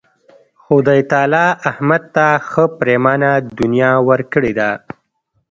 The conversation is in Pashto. خدای تعالی احمد ته ښه پرېمانه دنیا ورکړې ده.